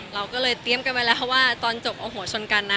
เราก็เลยเตรียมกันไปแล้วเพราะว่าตอนจบเอาหัวชนกันนะ